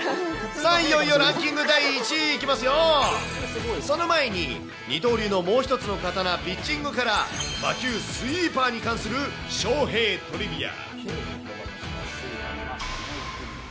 さあ、いよいよランキング第１位、その前に、二刀流のもう一つの刀、ピッチングから、魔球、スイーパーに関する翔へぇトリビア。